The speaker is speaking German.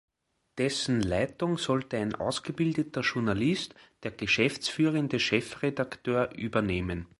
Dessen Leitung sollte ein ausgebildeter Journalist, der geschäftsführende Chefredakteur, übernehmen.